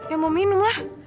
ya mau minum lah